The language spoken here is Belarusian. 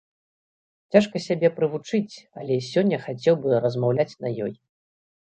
Цяжка сябе прывучыць, але сёння хацеў бы размаўляць на ёй.